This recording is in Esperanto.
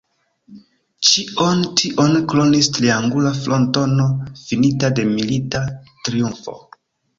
Ĉion tion kronis triangula frontono finita de milita triumfo.